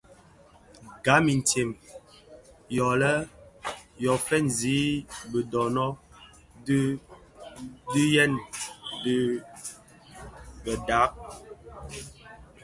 Gam intsem yödhi lè yo fènzi bidönög gom di niyeñi di badag.